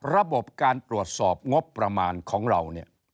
ระบบการตรวจสอบงบประมาณของเราเนี่ย